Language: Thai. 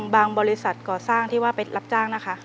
บริษัทก่อสร้างที่ว่าไปรับจ้างนะคะ